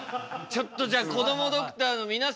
ちょっとじゃこどもドクターの皆さん